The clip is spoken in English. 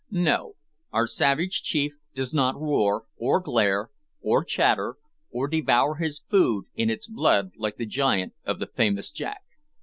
No; our savage chief does not roar, or glare, or chatter, or devour his food in its blood like the giant of the famous Jack.